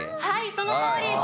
はいそのとおり。